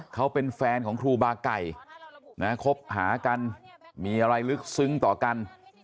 เขาเป็นแฟนของครูบาไก่นะคบหากันมีอะไรลึกซึ้งต่อกัน